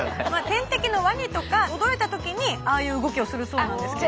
天敵のワニとか驚いた時にああいう動きをするそうなんですけれども。